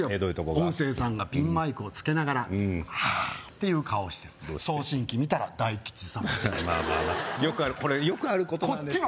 音声さんがピンマイクをつけながら「あっ」っていう顔してる送信機見たら「大吉様」ってまあまあまあこれよくあることなんですよ